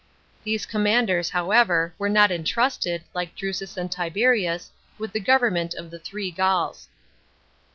These commanders, how ever, were not entrusted, like Drusus and Tiberius, with the government, of the Three Gauls.